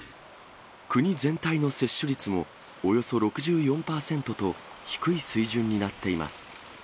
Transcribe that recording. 国全体の接種率も、およそ６４％と、低い水準になっています。